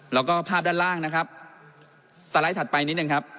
แล้วก็ภาพด้านล่างนะครับสไลด์ถัดไปนิดนึงครับ